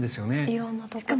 いろんなところに。